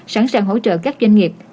sẵn sàng hỗ trợ các doanh nghiệp